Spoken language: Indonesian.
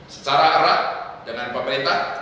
secara erat dengan pemerintah